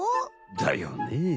だよねえ。